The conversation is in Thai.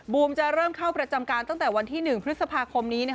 จะเริ่มเข้าประจำการตั้งแต่วันที่๑พฤษภาคมนี้